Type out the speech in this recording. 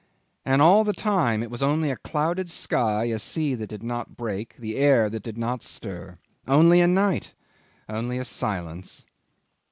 And all the time it was only a clouded sky, a sea that did not break, the air that did not stir. Only a night; only a silence.